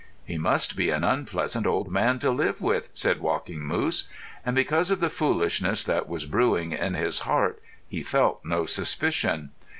"He must be an unpleasant old man to live with," said Walking Moose; and because of the foolishness that was brewing in his heart he felt no suspicion.